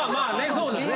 そうですね。